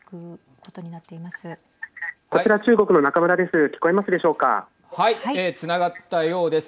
こちら中国の中村です。